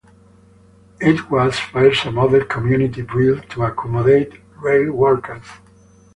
It was first a model community built to accommodate rail workers.